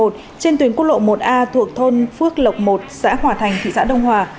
trên tuyến quốc lộ một a thuộc thôn phước lộc một xã hòa thành thị xã đông hòa